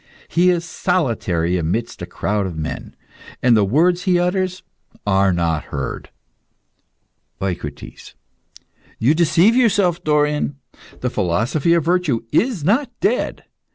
He is solitary amidst a crowd of men, and the words he utters are not heard. EUCRITES. You deceive yourself, Dorion. The philosophy of virtue is not dead.